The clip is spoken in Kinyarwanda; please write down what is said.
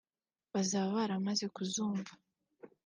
bazaba baramaze kuzumva